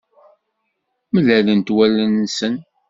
Mlalent wallen-nsen.